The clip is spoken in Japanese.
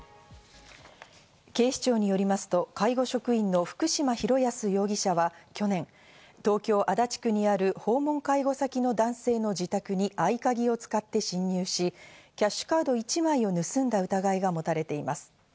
警視庁によりますと介護職員の福島広保容疑者は去年、東京・足立区にある訪問介護先の男性の自宅に合鍵を使って侵入し、キャシュカード１枚を盗んだ疑いが持たれています。